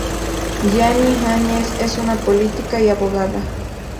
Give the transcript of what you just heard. Jeanine Añez es una política y abogada.